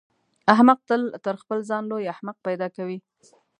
احمق تل تر خپل ځان لوی احمق پیدا کوي.